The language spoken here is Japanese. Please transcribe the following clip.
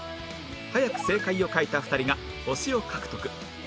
早く正解を書いた２人が星を獲得